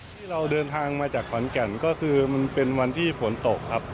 ที่เราเดินทางมาจากขอนแก่นก็คือมันเป็นวันที่ฝนตกครับ